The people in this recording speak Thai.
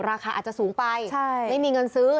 ราคาอาจจะสูงไปไม่มีเงินซื้อ